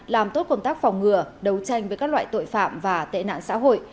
làm tốt công tác phòng ngừa đấu tranh với các loại tội phạm và tệ nạn xã hội